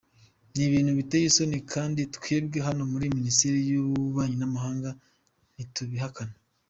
N’ibintu biteye isoni, kandi twebwe hano muri Minisiteri y’Ububanyi n’Amahanga ntitubihakana.